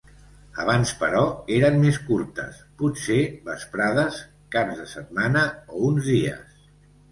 Abans però, eren més curtes, potser vesprades, caps de setmana o uns dies.